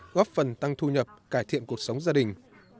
góp phần tăng thu nhập cải thiện cuộc sống gia đình